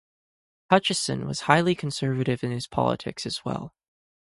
Hutcheson was highly conservative in his politics as well.